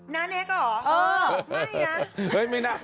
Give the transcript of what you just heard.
นาเนคหรอไม่นะ